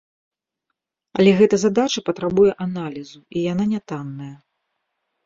Але гэта задача патрабуе аналізу, і яна нятанная.